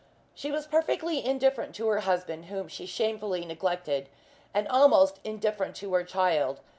She was perfectly indifferent to her husband, whom she shamefully neglected, and almost indifferent to her child.